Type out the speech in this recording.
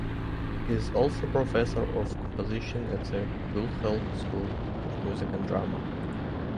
He is also Professor of Composition at the Guildhall School of Music and Drama.